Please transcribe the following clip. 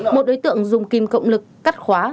một đối tượng dùng kim cộng lực cắt khóa